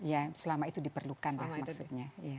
ya selama itu diperlukan ya maksudnya